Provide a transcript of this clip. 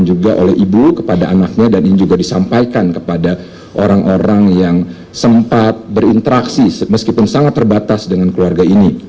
juga oleh ibu kepada anaknya dan ini juga disampaikan kepada orang orang yang sempat berinteraksi meskipun sangat terbatas dengan keluarga ini